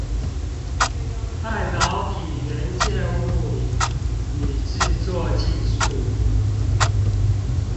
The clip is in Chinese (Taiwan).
半導體元件物理與製作技術